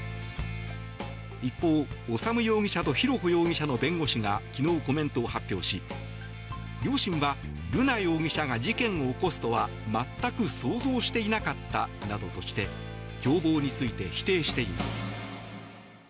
一方、修容疑者と浩子容疑者の弁護士が昨日、コメントを発表し両親は瑠奈容疑者が事件を起こすことは、全く想像していなかったなどとして共謀について否定しています。